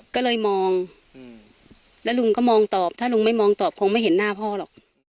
ก็เลยมองแล้วลุงก็มองตอบถ้าลุงไม่มองตอบคงไม่เห็นหน้าพ่อหรอก